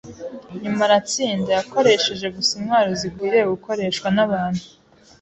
nyuma aratsinda. Yakoresheje gusa intwaro zikwiriye gukoreshwa n’abantu